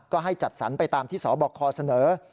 ก็ให้จัดสรรไปตามที่สบคเสนอ